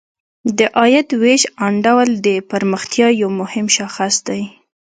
د عاید ویش انډول د پرمختیا یو مهم شاخص دی.